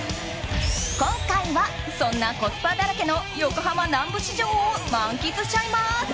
今回は、そんなコスパだらけの横浜南部市場を満喫しちゃいます。